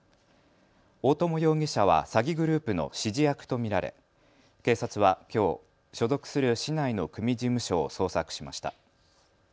大友容疑者は詐欺グループの指示役と見られ警察はきょう、所属する市内の組事務所を捜索しました。